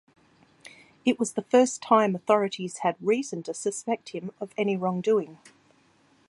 It was the first time authorities had reason to suspect him of any wrongdoing.